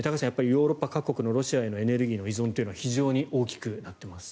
ヨーロッパ各国のロシアへのエネルギーの依存というのは非常に大きくなっています。